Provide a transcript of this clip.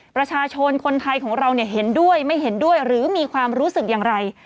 ประชาชนคนไทยของเราเห็นด้วยไม่เห็นด้วยหรือมีความรู้สึกอย่างไร